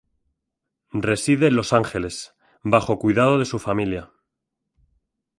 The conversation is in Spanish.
Reside en Los Ángeles, bajo cuidado de su familia.